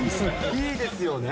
いいですよね。